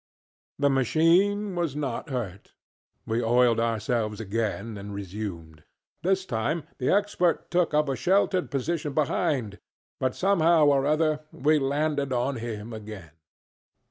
The machine was not hurt. We oiled ourselves up again, and resumed. This time the Expert took up a sheltered position behind, but somehow or other we landed on him again.